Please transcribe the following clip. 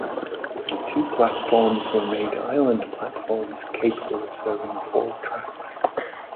The two platforms were made island platforms, capable of serving four tracks.